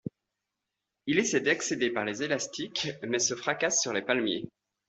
Il essaie d'accéder par les élastiques mais se fracasse sur les palmiers.